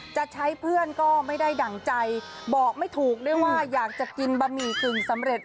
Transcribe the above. จะใช้เพื่อนก็ไม่ได้ดั่งใจบอกไม่ถูกด้วยว่าอยากจะกินบะหมี่กึ่งสำเร็จ